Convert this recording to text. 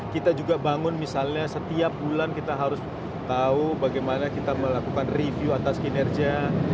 kita juga bangun misalnya setiap bulan kita harus tahu bagaimana kita melakukan review atas kinerja